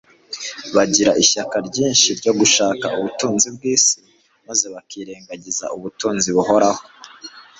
Bagira ishyaka ryinshi ryo gushaka ubutunzi bw'isi maze bakirengagiza ubutunzi buhoraho: